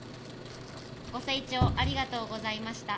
ご清聴ありがとうございました。